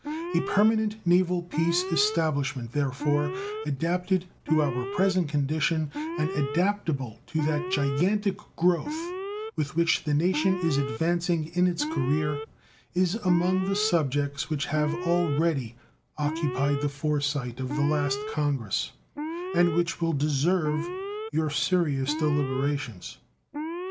A permanent naval peace establishment, therefore, adapted to our present condition, and adaptable to that gigantic growth with which the nation is advancing in its career, is among the subjects which have already occupied the foresight of the last Congress, and which will deserve your serious deliberations.